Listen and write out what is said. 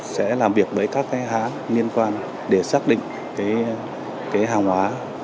sẽ làm việc với các hãng liên quan để xác định hàng hóa